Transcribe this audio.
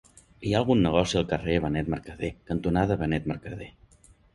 Hi ha algun negoci al carrer Benet Mercadé cantonada Benet Mercadé?